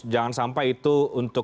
jangan sampai itu untuk